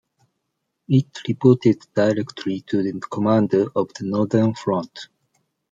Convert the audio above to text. It reported directly to the commander of the Northern Front.